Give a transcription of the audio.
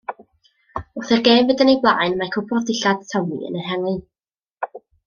Wrth i'r gêm fynd yn ei blaen, mae cwpwrdd dillad Tommy yn ehangu.